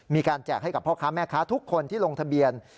แจกให้กับพ่อค้าแม่ค้าทุกคนที่ลงทะเบียน